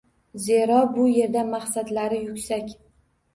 Zero, bu yerda maqsadlari yuksak.